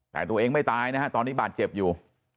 แต่ตัวเองไม่ตายนะฮะตอนนี้บาดเจ็บอยู่